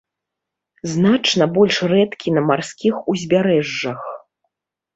Значна больш рэдкі на марскіх узбярэжжах.